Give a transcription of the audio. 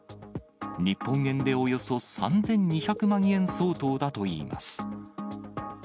日本円でおよそ３２００万円相当だといいます。